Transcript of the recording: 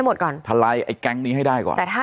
ก็เป็นสถานที่ตั้งมาเพลงกุศลศพให้กับน้องหยอดนะคะ